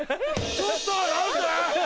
ちょっと何で？